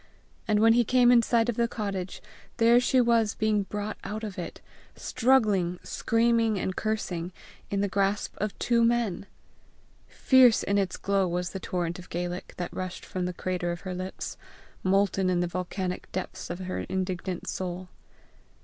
and when he came in sight of the cottage, there she was being brought out of it, struggling, screaming, and cursing, in the grasp of two men! Fierce in its glow was the torrent of Gaelic that rushed from the crater of her lips, molten in the volcanic depths of her indignant soul.